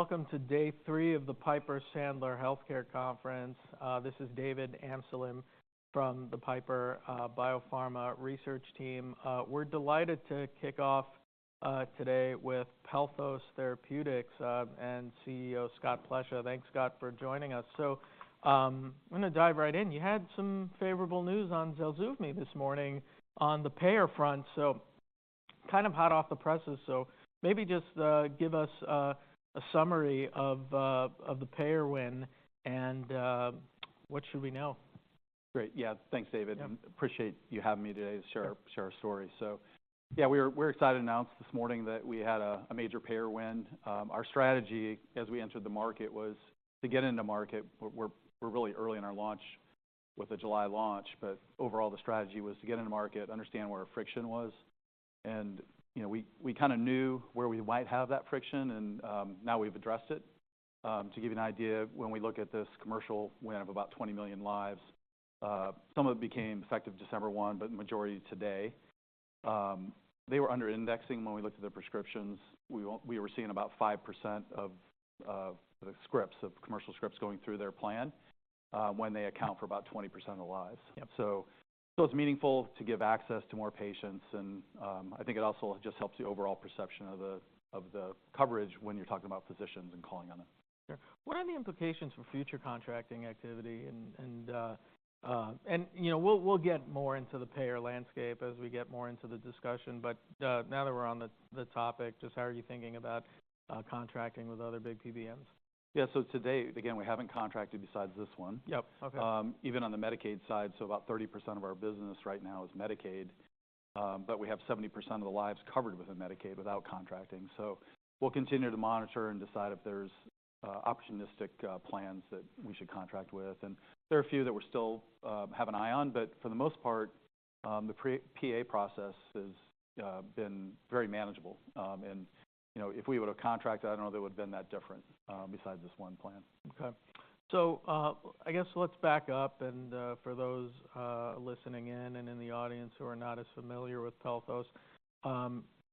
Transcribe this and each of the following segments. Welcome to Day Three of the Piper Sandler Healthcare Conference. This is David Amsellem from the Piper Biopharma Research Team. We're delighted to kick off today with Pelthos Therapeutics and CEO Scott Plesha. Thanks, Scott, for joining us. I'm going to dive right in. You had some favorable news on Zelsuvmi this morning on the payer front, so kind of hot off the presses. Maybe just give us a summary of the payer win and what should we know? Great. Yeah, thanks, David. Appreciate you having me today to share our story. So yeah, we're excited to announce this morning that we had a major payer win. Our strategy as we entered the market was to get into market. We're really early in our launch with the July launch, but overall the strategy was to get into market, understand where our friction was, and we kind of knew where we might have that friction, and now we've addressed it. To give you an idea, when we look at this commercial win of about 20 million lives, some of it became effective December 1, but the majority today. They were under indexing when we looked at their prescriptions. We were seeing about 5% of the scripts, of commercial scripts, going through their plan when they account for about 20% of the lives. It's meaningful to give access to more patients, and I think it also just helps the overall perception of the coverage when you're talking about physicians and calling on them. What are the implications for future contracting activity? And we'll get more into the payer landscape as we get more into the discussion. But now that we're on the topic, just how are you thinking about contracting with other big PBMs? Yeah, so today, again, we haven't contracted besides this one. Even on the Medicaid side, so about 30% of our business right now is Medicaid, but we have 70% of the lives covered within Medicaid without contracting. So we'll continue to monitor and decide if there's opportunistic plans that we should contract with. And there are a few that we still have an eye on, but for the most part, the PA process has been very manageable. And if we would have contracted, I don't know if it would have been that different besides this one plan. Okay. So I guess let's back up, and for those listening in and in the audience who are not as familiar with Pelthos,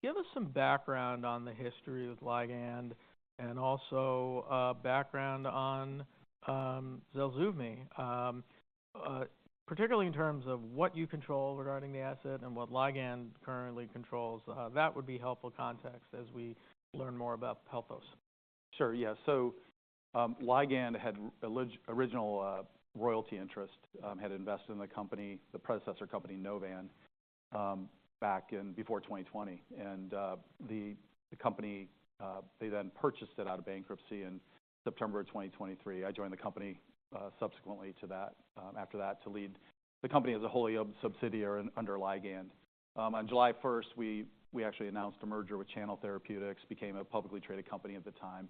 give us some background on the history with Ligand and also background on Zelsuvmi, particularly in terms of what you control regarding the asset and what Ligand currently controls. That would be helpful context as we learn more about Pelthos. Sure. Yeah. So Ligand had original royalty interest, had invested in the company, the predecessor company, Novan, back in before 2020. And the company, they then purchased it out of bankruptcy in September of 2023. I joined the company subsequently to that, after that, to lead the company as a wholly-owned subsidiary under Ligand. On July 1st, we actually announced a merger with Channel Therapeutics, became a publicly traded company at the time.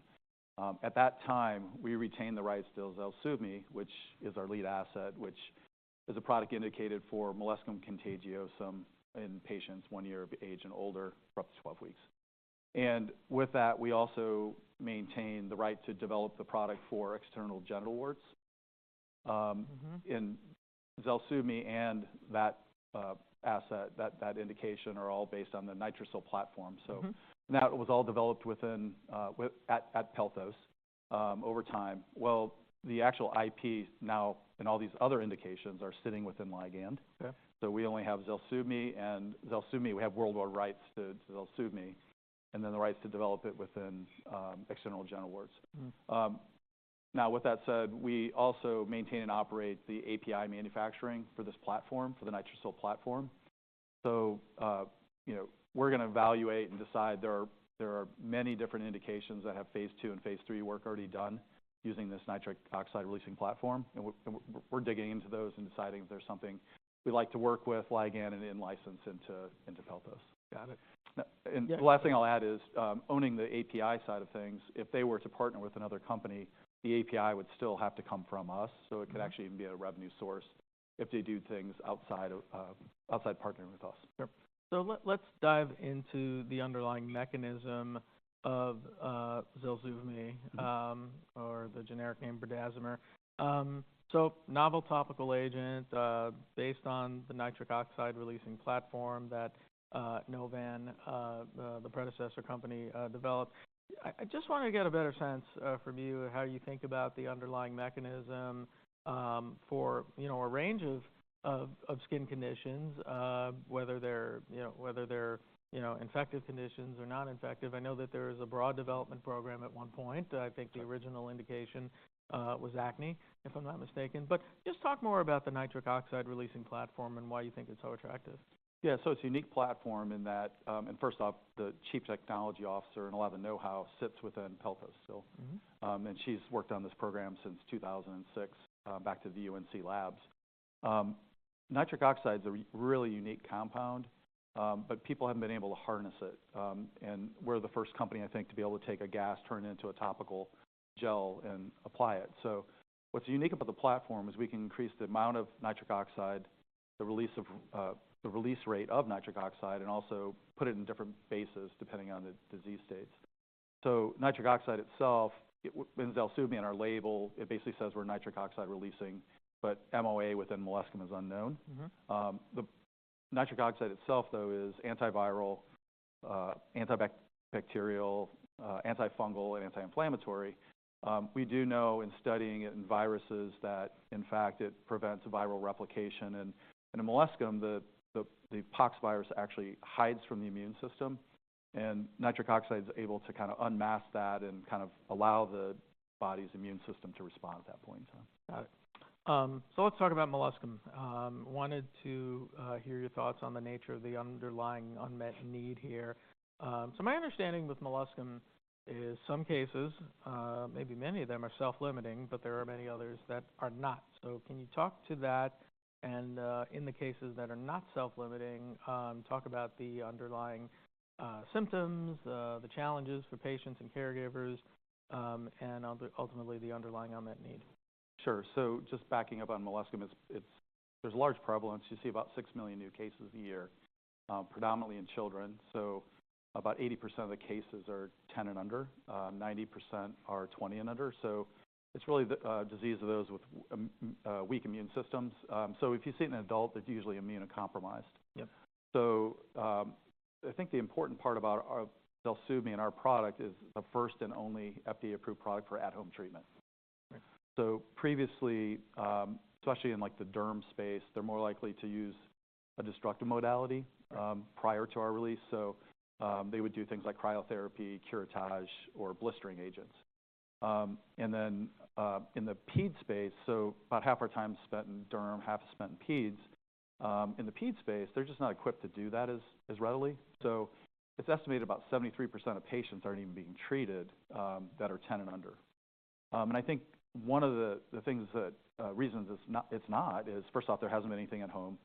At that time, we retained the rights to Zelsuvmi, which is our lead asset, which is a product indicated for molluscum contagiosum in patients one year of age and older, up to 12 weeks. And with that, we also maintained the right to develop the product for external genital warts. And Zelsuvmi and that asset, that indication are all based on the Nitricil platform. So that was all developed at Pelthos over time. The actual IPs now and all these other indications are sitting within Ligand. So we only have Zelsuvmi, and Zelsuvmi, we have worldwide rights to Zelsuvmi, and then the rights to develop it within external genital areas. Now, with that said, we also maintain and operate the API manufacturing for this platform, for the Nitricil platform. So we're going to evaluate and decide. There are many different indications that have phase II and phase III work already done using this nitric oxide releasing platform. We're digging into those and deciding if there's something we'd like to work with Ligand and in-license into Pelthos. Got it. And the last thing I'll add is owning the API side of things, if they were to partner with another company, the API would still have to come from us. So it could actually even be a revenue source if they do things outside of partnering with us. So let's dive into the underlying mechanism of Zelsuvmi or the generic name berdazimer. So, novel topical agent based on the nitric oxide releasing platform that Novan, the predecessor company, developed. I just want to get a better sense from you of how you think about the underlying mechanism for a range of skin conditions, whether they're infective conditions or non-infective. I know that there is a broad development program at one point. I think the original indication was acne, if I'm not mistaken. But just talk more about the nitric oxide releasing platform and why you think it's so attractive. Yeah, so it's a unique platform in that, and first off, the chief technology officer and a lot of the know-how sits within Pelthos, and she's worked on this program since 2006, back to the UNC labs. Nitric oxide is a really unique compound, but people haven't been able to harness it, and we're the first company, I think, to be able to take a gas, turn it into a topical gel, and apply it, so what's unique about the platform is we can increase the amount of nitric oxide, the release rate of nitric oxide, and also put it in different bases depending on the disease states, so nitric oxide itself, in Zelsuvmi and our label, it basically says we're nitric oxide releasing, but MOA within molluscum is unknown. The nitric oxide itself, though, is antiviral, antibacterial, antifungal, and anti-inflammatory. We do know in studying it in viruses that, in fact, it prevents viral replication. And in molluscum, the pox virus actually hides from the immune system. And nitric oxide is able to kind of unmask that and kind of allow the body's immune system to respond at that point in time. Got it. So let's talk about molluscum. Wanted to hear your thoughts on the nature of the underlying unmet need here. So my understanding with molluscum is some cases, maybe many of them, are self-limiting, but there are many others that are not. So can you talk to that? And in the cases that are not self-limiting, talk about the underlying symptoms, the challenges for patients and caregivers, and ultimately the underlying unmet need. Sure. So just backing up on molluscum, there's large prevalence. You see about six million new cases a year, predominantly in children. So about 80% of the cases are 10 and under. 90% are 20 and under. So it's really the disease of those with weak immune systems. So if you see it in an adult, they're usually immunocompromised. So I think the important part about Zelsuvmi and our product is the first and only FDA-approved product for at-home treatment. So previously, especially in the derm space, they're more likely to use a destructive modality prior to our release. So they would do things like cryotherapy, curettage, or blistering agents. And then in the peds space, so about half our time is spent in derm, half is spent in peds. In the peds space, they're just not equipped to do that as readily. It's estimated about 73% of patients aren't even being treated that are 10 and under. I think one of the reasons it's not is, first off, there hasn't been anything at home.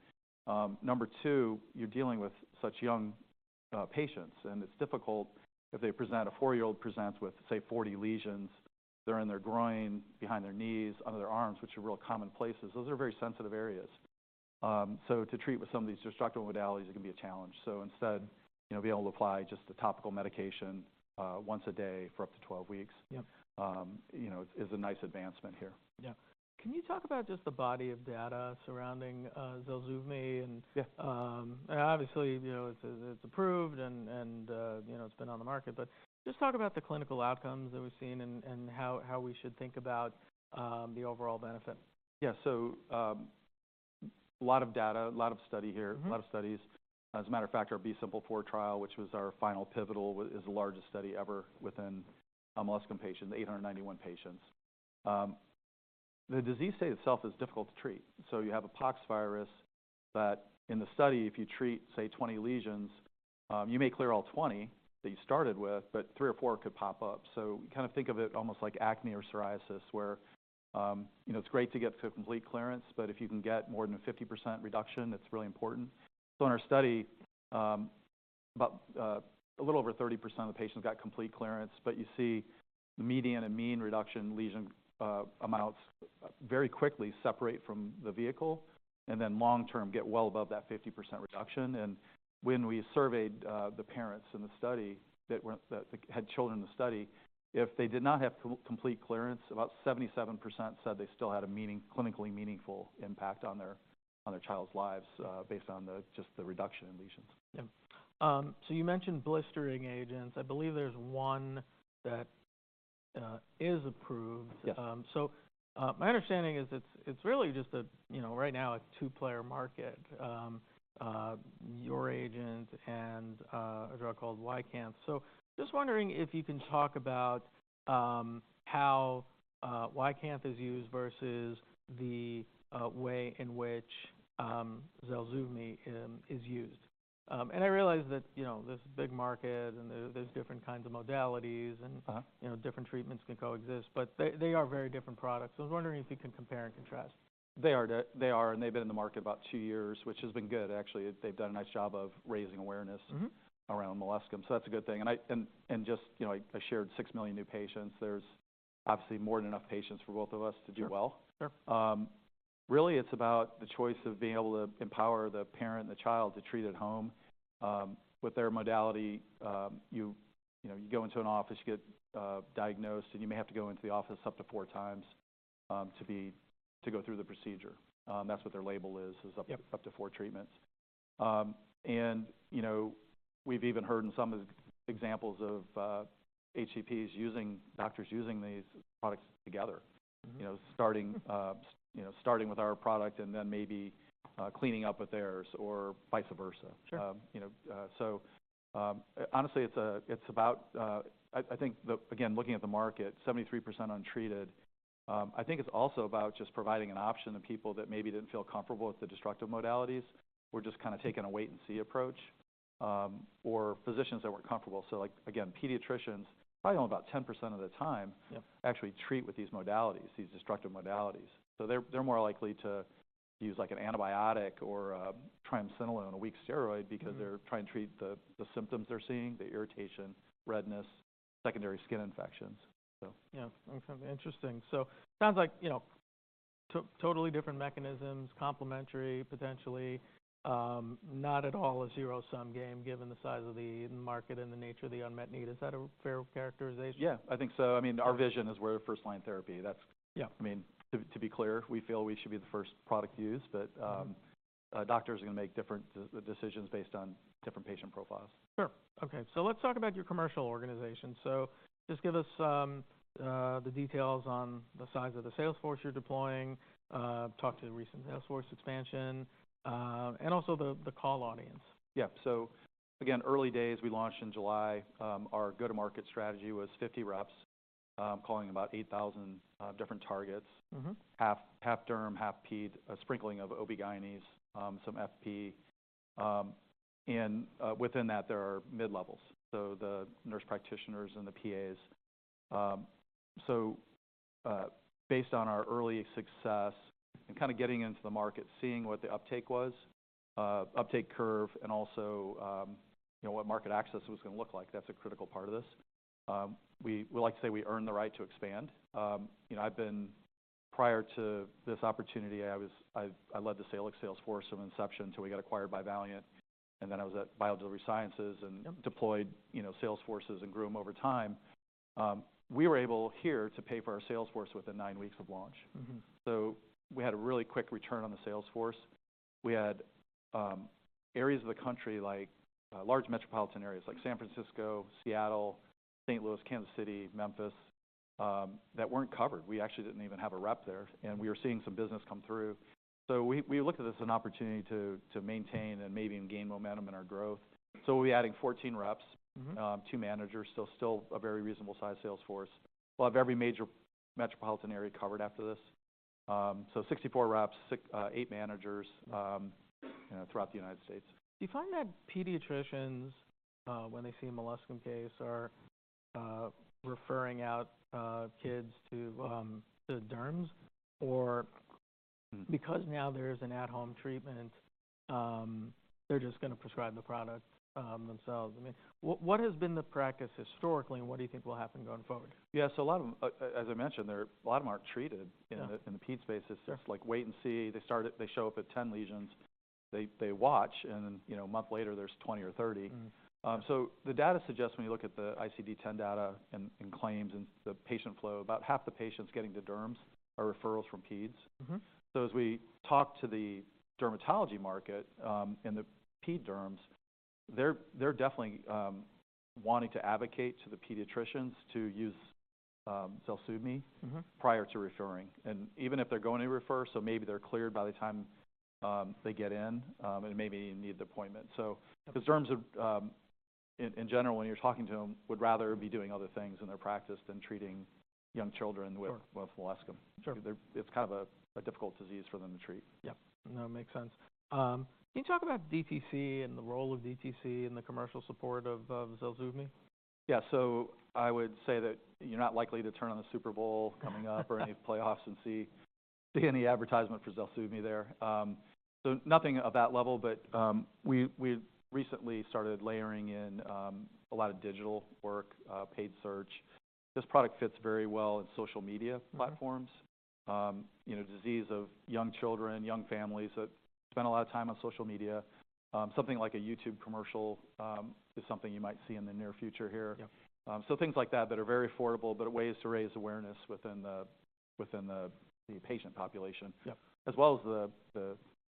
Number two, you're dealing with such young patients, and it's difficult if they present, a four-year-old presents with, say, 40 lesions. They're in their groin, behind their knees, under their arms, which are real common places. Those are very sensitive areas. So to treat with some of these destructive modalities is going to be a challenge. So instead, being able to apply just a topical medication once a day for up to 12 weeks is a nice advancement here. Yeah. Can you talk about just the body of data surrounding Zelsuvmi? And obviously, it's approved and it's been on the market, but just talk about the clinical outcomes that we've seen and how we should think about the overall benefit. Yeah. So a lot of data, a lot of study here, a lot of studies. As a matter of fact, our B-Simple4 trial, which was our final pivotal, is the largest study ever within molluscum patients, 891 patients. The disease state itself is difficult to treat. So you have a pox virus, but in the study, if you treat, say, 20 lesions, you may clear all 20 that you started with, but three or four could pop up. So kind of think of it almost like acne or psoriasis, where it's great to get complete clearance, but if you can get more than 50% reduction, it's really important. So in our study, about a little over 30% of the patients got complete clearance, but you see the median and mean reduction lesion amounts very quickly separate from the vehicle, and then long-term get well above that 50% reduction. When we surveyed the parents in the study that had children in the study, if they did not have complete clearance, about 77% said they still had a clinically meaningful impact on their child's lives based on just the reduction in lesions. Yeah. So you mentioned blistering agents. I believe there's one that is approved. So my understanding is it's really just right now a two-player market, your agent and a drug called YCANTH. So just wondering if you can talk about how YCANTH is used versus the way in which Zelsuvmi is used. And I realize that this is a big market and there's different kinds of modalities and different treatments can coexist, but they are very different products. I was wondering if you can compare and contrast. They are, and they've been in the market about two years, which has been good. Actually, they've done a nice job of raising awareness around molluscum. So that's a good thing. And just, I shared six million new patients. There's obviously more than enough patients for both of us to do well. Really, it's about the choice of being able to empower the parent and the child to treat at home. With their modality, you go into an office, you get diagnosed, and you may have to go into the office up to 4x to go through the procedure. That's what their label is, is up to four treatments. And we've even heard in some of the examples of HCPs and doctors using these products together, starting with our product and then maybe cleaning up with theirs or vice versa. So honestly, it's about, I think, again, looking at the market, 73% untreated. I think it's also about just providing an option to people that maybe didn't feel comfortable with the destructive modalities or just kind of taking a wait-and-see approach or physicians that weren't comfortable. So again, pediatricians probably only about 10% of the time actually treat with these modalities, these destructive modalities. So they're more likely to use an antibiotic or a triamcinolone, a weak steroid, because they're trying to treat the symptoms they're seeing, the irritation, redness, secondary skin infections. Yeah. Interesting. So it sounds like totally different mechanisms, complementary potentially, not at all a zero-sum game given the size of the market and the nature of the unmet need. Is that a fair characterization? Yeah, I think so. I mean, our vision is we're first-line therapy. I mean, to be clear, we feel we should be the first product used, but doctors are going to make different decisions based on different patient profiles. Sure. Okay. So let's talk about your commercial organization. So just give us the details on the size of the salesforce you're deploying, talk to the recent salesforce expansion, and also the call audience. Yeah. So again, early days, we launched in July. Our go-to-market strategy was 50 reps, calling about 8,000 different targets, half derm, half pede, a sprinkling of OB/GYNs, some FP. And within that, there are mid-levels, so the nurse practitioners and the PAs. So based on our early success and kind of getting into the market, seeing what the uptake was, uptake curve, and also what market access was going to look like, that's a critical part of this. We like to say we earned the right to expand. Prior to this opportunity, I led the Salix salesforce from inception until we got acquired by Valeant. And then I was at BioDelivery Sciences and deployed salesforces and grew them over time. We were able here to pay for our salesforce within nine weeks of launch. So we had a really quick return on the salesforce. We had areas of the country, large metropolitan areas like San Francisco, Seattle, St. Louis, Kansas City, Memphis, that weren't covered. We actually didn't even have a rep there. And we were seeing some business come through. So we looked at this as an opportunity to maintain and maybe gain momentum in our growth. So we'll be adding 14 reps, two managers, still a very reasonable size salesforce. We'll have every major metropolitan area covered after this. So 64 reps, eight managers throughout the United States. Do you find that pediatricians, when they see a molluscum case, are referring out kids to derms? Or because now there is an at-home treatment, they're just going to prescribe the product themselves. I mean, what has been the practice historically, and what do you think will happen going forward? Yeah. So a lot of them, as I mentioned, a lot of them aren't treated in the peds space. It's just like wait-and-see. They show up with 10 lesions. They watch, and then a month later, there's 20 or 30. So the data suggests when you look at the ICD-10 data and claims and the patient flow, about half the patients getting to derms are referrals from peds. So as we talk to the dermatology market and the ped derms, they're definitely wanting to advocate to the pediatricians to use Zelsuvmi prior to referring. And even if they're going to refer, so maybe they're cleared by the time they get in and maybe need the appointment. So the derms, in general, when you're talking to them, would rather be doing other things in their practice than treating young children with molluscum. It's kind of a difficult disease for them to treat. Yeah. No, makes sense. Can you talk about DTC and the role of DTC in the commercial support of Zelsuvmi? Yeah. So I would say that you're not likely to turn on the Super Bowl coming up or any playoffs and see any advertisement for Zelsuvmi there. So nothing of that level, but we recently started layering in a lot of digital work, paid search. This product fits very well in social media platforms. Disease of young children, young families that spend a lot of time on social media. Something like a YouTube commercial is something you might see in the near future here. So things like that that are very affordable, but ways to raise awareness within the patient population, as well as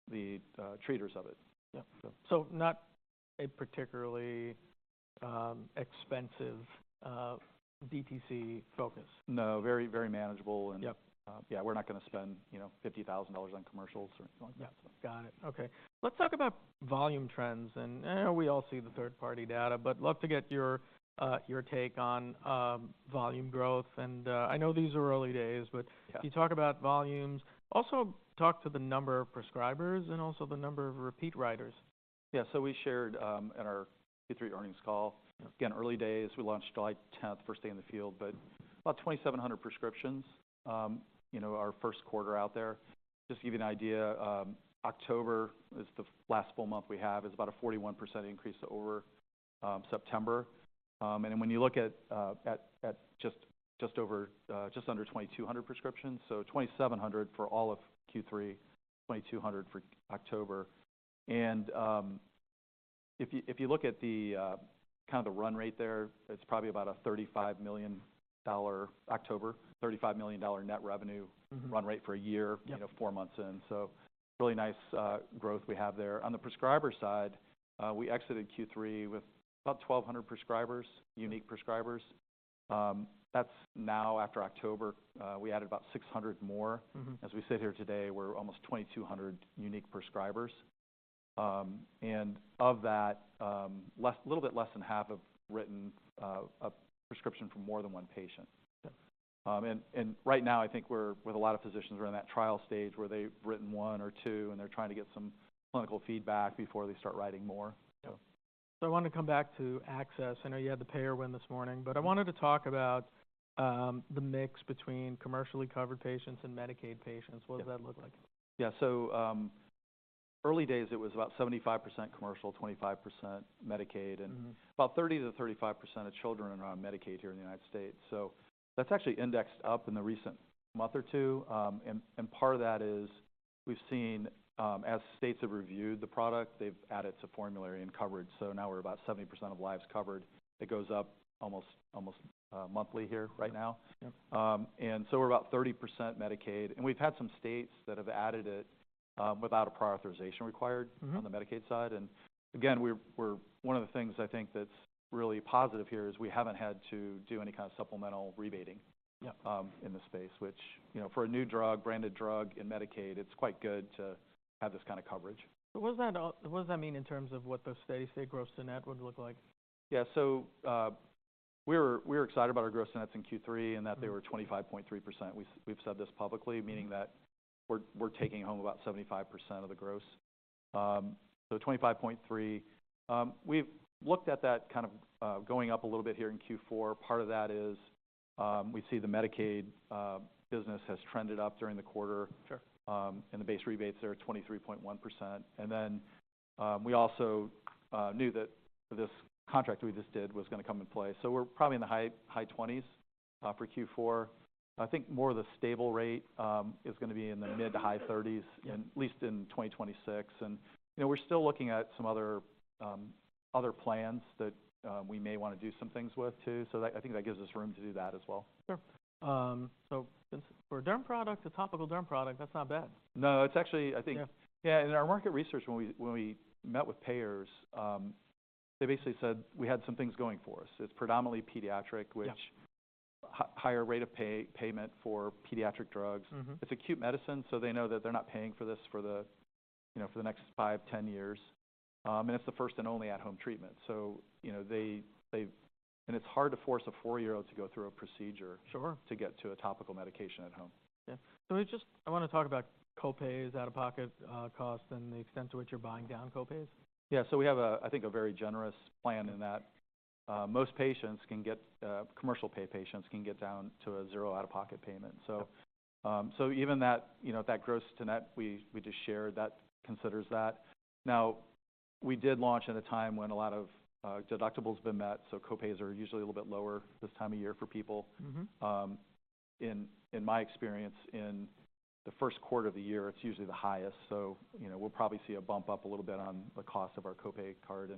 the treaters of it. Yeah. So not a particularly expensive DTC focus. No, very manageable. And yeah, we're not going to spend $50,000 on commercials or anything like that. Got it. Okay. Let's talk about volume trends. And we all see the third-party data, but love to get your take on volume growth. And I know these are early days, but you talk about volumes. Also talk to the number of prescribers and also the number of repeat writers. Yeah. So we shared in our Q3 earnings call, again, early days. We launched July 10th, first day in the field, but about 2,700 prescriptions, our first quarter out there. Just to give you an idea, October is the last full month we have, is about a 41% increase over September. And then when you look at just under 2,200 prescriptions, so 2,700 for all of Q3, 2,200 for October. And if you look at kind of the run rate there, it's probably about a $35 million October, $35 million net revenue run rate for a year, four months in. So really nice growth we have there. On the prescriber side, we exited Q3 with about 1,200 prescribers, unique prescribers. That's now after October, we added about 600 more. As we sit here today, we're almost 2,200 unique prescribers. And of that, a little bit less than half have written a prescription for more than one patient. And right now, I think we're with a lot of physicians, we're in that trial stage where they've written one or two, and they're trying to get some clinical feedback before they start writing more. So I want to come back to access. I know you had the payer win this morning, but I wanted to talk about the mix between commercially covered patients and Medicaid patients. What does that look like? Yeah, so early days, it was about 75% commercial, 25% Medicaid, and about 30%-35% of children are on Medicaid here in the United States, so that's actually indexed up in the recent month or two, and part of that is we've seen as states have reviewed the product, they've added to formulary and coverage, so now we're about 70% of lives covered, it goes up almost monthly here right now, and so we're about 30% Medicaid, and we've had some states that have added it without a prior authorization required on the Medicaid side, and again, one of the things I think that's really positive here is we haven't had to do any kind of supplemental rebating in this space, which for a new drug, branded drug in Medicaid, it's quite good to have this kind of coverage. So what does that mean in terms of what the steady-state gross-to-net would look like? Yeah. So we were excited about our gross-to-net in Q3 and that they were 25.3%. We've said this publicly, meaning that we're taking home about 75% of the gross. So 25.3%. We've looked at that kind of going up a little bit here in Q4. Part of that is we see the Medicaid business has trended up during the quarter. And the base rebates are 23.1%. And then we also knew that this contract we just did was going to come in play. So we're probably in the high 20s for Q4. I think more of the stable rate is going to be in the mid- to high 30s, at least in 2026. And we're still looking at some other plans that we may want to do some things with too. So I think that gives us room to do that as well. Sure. So for a derm product, a topical derm product, that's not bad. No, it's actually, I think. Yeah. And in our market research, when we met with payers, they basically said we had some things going for us. It's predominantly pediatric, which higher rate of payment for pediatric drugs. It's acute medicine, so they know that they're not paying for this for the next five, 10 years. And it's the first and only at-home treatment. And it's hard to force a four-year-old to go through a procedure to get to a topical medication at home. Yeah. So I want to talk about copays, out-of-pocket costs, and the extent to which you're buying down copays. Yeah. So we have, I think, a very generous plan in that most patients can get. Commercially insured patients can get down to a zero out-of-pocket payment. So even that gross-to-net, we just shared that considers that. Now, we did launch at a time when a lot of deductibles have been met. So copays are usually a little bit lower this time of year for people. In my experience, in the first quarter of the year, it's usually the highest. So we'll probably see a bump up a little bit on the cost of our copay card.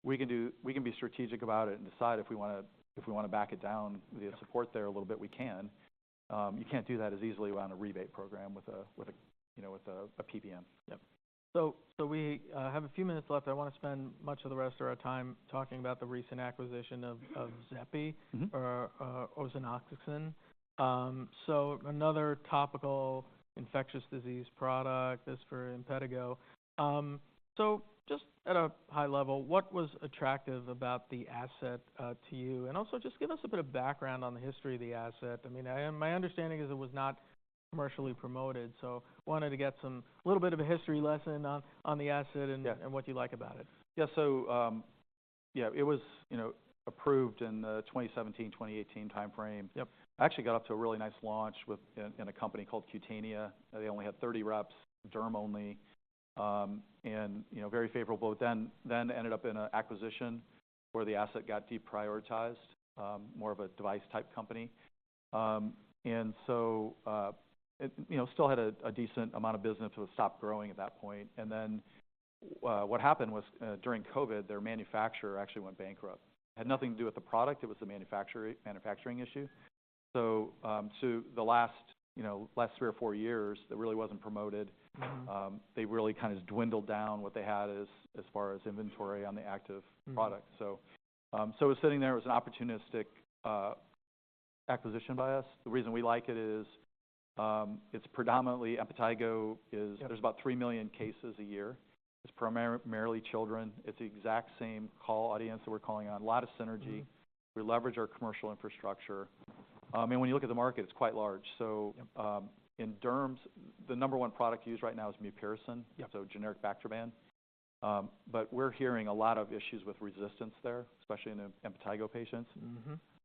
And the good thing about the copay card, though, is we can be strategic about it and decide if we want to back it down via support there a little bit. We can. You can't do that as easily on a rebate program with a PBM. Yeah. So we have a few minutes left. I want to spend much of the rest of our time talking about the recent acquisition of Xepi, or ozenoxacin. So another topical infectious disease product for impetigo. So just at a high level, what was attractive about the asset to you? And also just give us a bit of background on the history of the asset. I mean, my understanding is it was not commercially promoted. So I wanted to get a little bit of a history lesson on the asset and what you like about it. Yeah. So yeah, it was approved in the 2017, 2018 timeframe. Actually got up to a really nice launch in a company called Cutanea. They only had 30 reps, derm only, and very favorable. Then ended up in an acquisition where the asset got deprioritized, more of a device-type company. And so still had a decent amount of business, but it stopped growing at that point. And then what happened was during COVID, their manufacturer actually went bankrupt. Had nothing to do with the product. It was the manufacturing issue. So to the last three or four years, it really wasn't promoted. They really kind of dwindled down what they had as far as inventory on the active product. So it was sitting there. It was an opportunistic acquisition by us. The reason we like it is it's predominantly impetigo. There's about three million cases a year. It's primarily children. It's the exact same call audience that we're calling on. A lot of synergy. We leverage our commercial infrastructure. And when you look at the market, it's quite large. So in derms, the number one product used right now is mupirocin, so generic Bactroban. But we're hearing a lot of issues with resistance there, especially in the impetigo patients.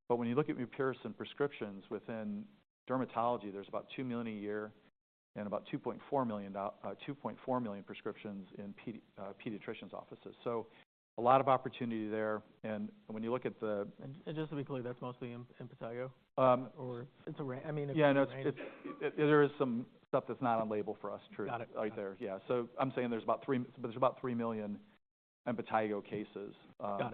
But when you look at mupirocin prescriptions within dermatology, there's about 2 million a year and about 2.4 million prescriptions in pediatricians' offices. So a lot of opportunity there. And when you look at the. And just to be clear, that's mostly in impetigo or Intertrigo? I mean. Yeah. No, there is some stuff that's not on label for us right there. Yeah. So I'm saying there's about three million Impetigo cases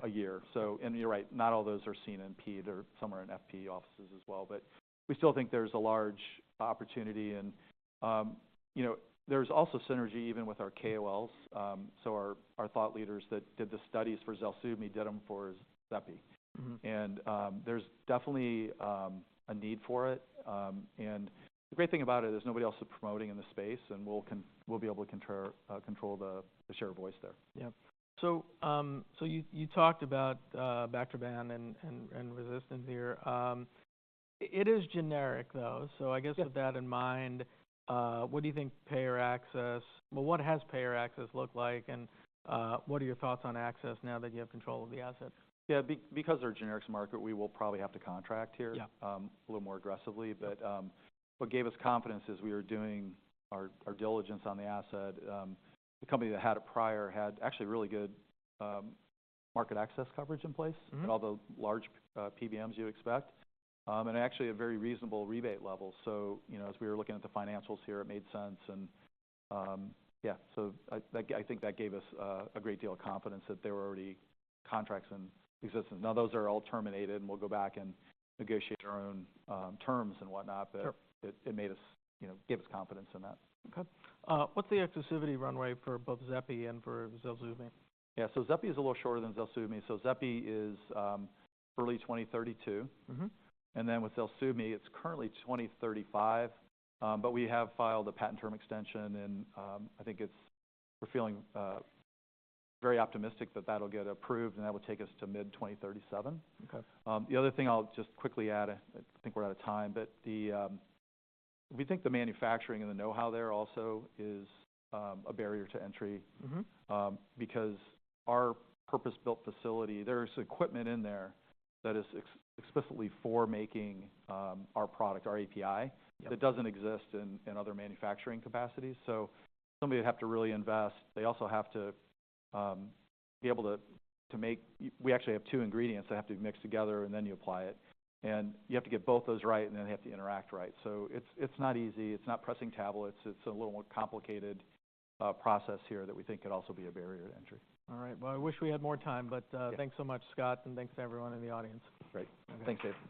a year. And you're right. Not all those are seen in peds. They're somewhere in FP offices as well. But we still think there's a large opportunity. And there's also synergy even with our KOLs. So our thought leaders that did the studies for Zelsuvmi did them for Xepi. And there's definitely a need for it. And the great thing about it is nobody else is promoting in the space, and we'll be able to control the share of voice there. Yeah. So you talked about Bactroban and resistance here. It is generic, though. So I guess with that in mind, what do you think payer access well, what has payer access looked like, and what are your thoughts on access now that you have control of the asset? Yeah. Because they're a generics market, we will probably have to contract here a little more aggressively. But what gave us confidence as we were doing our diligence on the asset, the company that had it prior had actually really good market access coverage in place at all the large PBMs you expect. And actually a very reasonable rebate level. So as we were looking at the financials here, it made sense. And yeah, so I think that gave us a great deal of confidence that there were already contracts in existence. Now, those are all terminated, and we'll go back and negotiate our own terms and whatnot. But it gave us confidence in that. Okay. What's the exclusivity runway for both Xepi and for Zelsuvmi? Yeah. So Xepi is a little shorter than Zelsuvmi. So Xepi is early 2032. And then with Zelsuvmi, it's currently 2035. But we have filed a patent term extension, and I think we're feeling very optimistic that that'll get approved, and that will take us to mid-2037. The other thing I'll just quickly add, I think we're out of time, but we think the manufacturing and the know-how there also is a barrier to entry because our purpose-built facility, there's equipment in there that is explicitly for making our product, our API, that doesn't exist in other manufacturing capacities. So somebody would have to really invest. They also have to be able to make. We actually have two ingredients that have to be mixed together, and then you apply it. And you have to get both those right, and then they have to interact right. So it's not easy. It's not pressing tablets. It's a little more complicated process here that we think could also be a barrier to entry. All right. Well, I wish we had more time, but thanks so much, Scott, and thanks to everyone in the audience. Great. Thanks again.